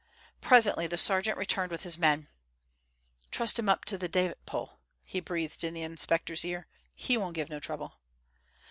Presently the sergeant returned with his men. "Trussed him up to the davit pole," he breathed in the inspector's ear. "He won't give no trouble."